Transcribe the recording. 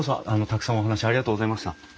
たくさんお話ありがとうございました。